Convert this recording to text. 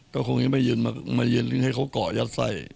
ก็คงยังไม่ยืนไม่ยืนให้เขาก่อยัดไส้